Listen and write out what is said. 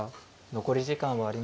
残り時間はありません。